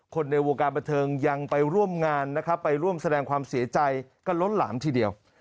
ในวงการบันเทิงยังไปร่วมงานนะครับไปร่วมแสดงความเสียใจก็ล้นหลามทีเดียว